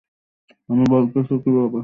আমি বলতেছি কিভাবে।